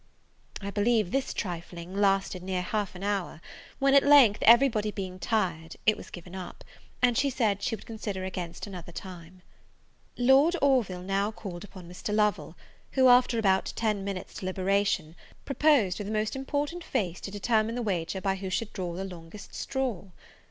I believe this trifling lasted near half an hour; when at length, every body being tired, it was given up, and she said she would consider against another time. Lord Orville now called upon Mr. Lovel; who, after about ten minutes' deliberation, proposed, with a most important face, to determine the wager by who should draw the longest straw!